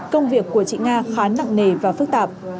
công việc của chị nga khá nặng nề và phức tạp